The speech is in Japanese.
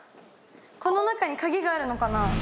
この中にカギがあるのかな？